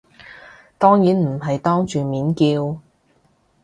當然唔係當住面叫